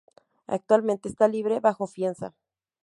Actualmente está libre bajo fianza.